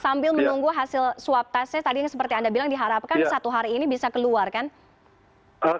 sambil menunggu hasil swab testnya tadi yang seperti anda bilang diharapkan satu hari ini bisa keluar kan